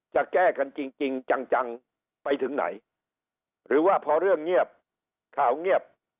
จะแก้กันจริงจังจังไปถึงไหนหรือว่าพอเรื่องเงียบข่าวเงียบ